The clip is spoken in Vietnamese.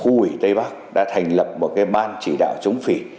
khu ủy tây bắc đã thành lập một cái ban chỉ đạo chống phỉ